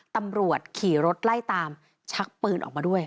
ตำรวจขี่รถไล่ตามชักปืนออกมาด้วย